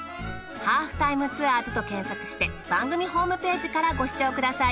『ハーフタイムツアーズ』と検索して番組ホームページからご視聴ください。